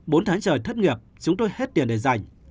bốn tháng trời thất nghiệp chúng tôi hết tiền để dành